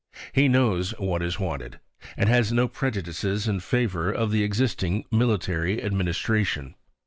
He knows what is wanted, and has no prejudices in favour of the existing military administration.